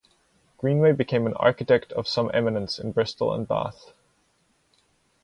Greenway became an architect "of some eminence" in Bristol and Bath.